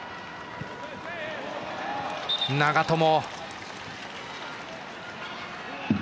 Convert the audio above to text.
長友。